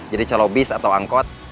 jadi calobis atau angkot